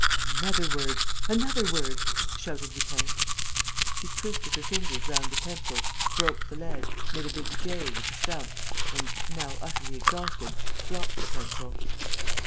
"Another word! ... Another word!" shouted Lupin. She twisted her fingers round the pencil, broke the lead, made a big "J" with the stump and, now utterly exhausted, dropped the pencil.